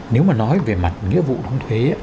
nếu mà nói về mặt nghĩa vụ đăng thuế